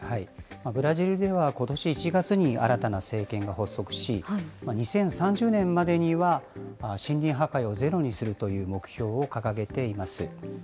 ブラジルではことし１月に新たな政権が発足し、２０３０年までには森林破壊をゼロにするという目標を掲げています。